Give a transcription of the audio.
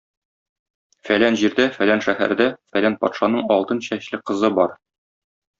Фәлән җирдә, фәлән шәһәрдә фәлән патшаның алтын чәчле кызы бар.